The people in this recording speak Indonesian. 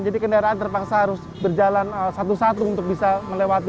jadi kendaraan terpaksa harus berjalan satu satu untuk bisa melewati